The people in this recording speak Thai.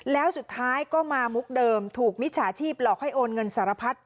แล้วสุดท้ายก็มามุกเดิมถูกมิจฉาชีพหลอกให้โอนเงินสารพัด